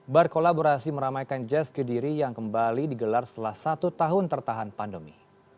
berkolaborasi meramaikan jazz kediri yang kembali digelar setelah satu tahun tertahan pandemi